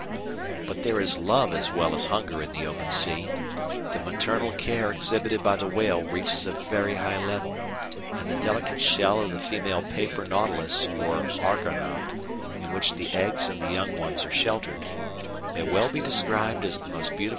But there is love as well as hunger in the open sea. The maternal care exhibited by the whale reaches a very high level, and the delicate shell of the female Paper Nautilus or Argonaut, in which the eggs and the young ones are sheltered, may well be described as "the most beautiful cradle in the world."